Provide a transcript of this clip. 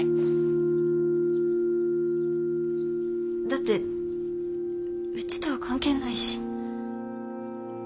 だってうちとは関係ないし。